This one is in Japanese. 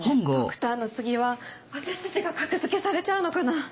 ドクターの次は私たちが格付けされちゃうのかな。